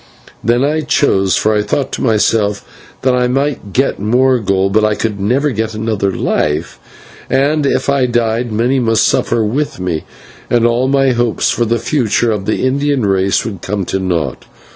Then I chose, for I thought to myself that I might get more gold, but I could never get another life, and if I died many must suffer with me and all my hopes for the future of the Indian race would come to naught.